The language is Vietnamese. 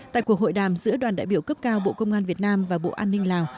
tại cuộc hội đàm giữa đoàn đại biểu cấp cao bộ công an việt nam và bộ an ninh lào